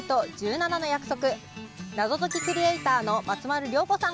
謎解きクリエイターの松丸亮吾さん